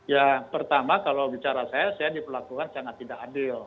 ya pertama kalau bicara saya saya diperlakukan sangat tidak adil